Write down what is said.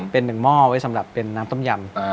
เป็นหนึ่งหม้อไว้สำหรับเป็นน้ำต้มยำ